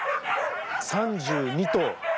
３２頭！